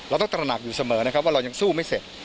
เราต้องตระหนักอยู่เสมอนะครับว่าเรายังสู้ไม่เสร็จ